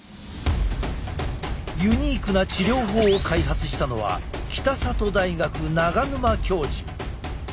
ユニークな治療法を開発したのは北里大学長沼教授。